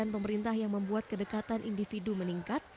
pemerintah yang membuat kedekatan individu meningkat